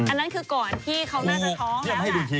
อันนั้นคือก่อนที่เขาน่าจะท้องแล้ว